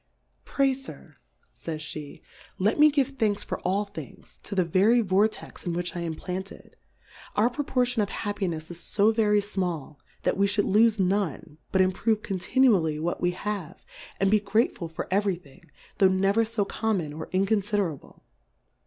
Pray Sir, faysjhe^ let me give Thanks for all Things, to the very Vortex in which I am planted : Our Proportion of Happinefs is fo very fmall, that v^e Ihould lofe none, but improve conti nually what we have, and be grateful for every Thing, tho' never fo common or inconiiderable.